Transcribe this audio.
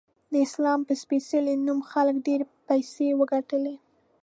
د اسلام په سپیڅلې نوم خلکو ډیرې پیسې وګټلی